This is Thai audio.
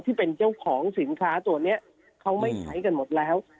ที่เป็นเจ้าของสินค้าตัวนี้เขาไม่ใช้กันหมดแล้ว